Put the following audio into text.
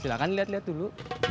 silahkan lihat lihat dulu